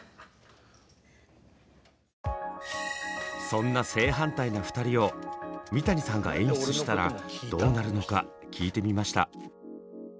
そんな正反対な２人を三谷さんが演出したらどうなるのか聞いてみました。